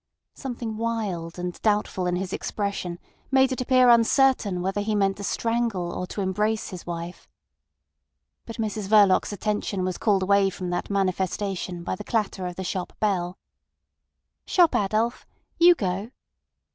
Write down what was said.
Something wild and doubtful in his expression made it appear uncertain whether he meant to strangle or to embrace his wife. But Mrs Verloc's attention was called away from that manifestation by the clatter of the shop bell. "Shop, Adolf. You go."